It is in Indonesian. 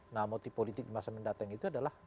nah motif politik di masa mendatang itu adalah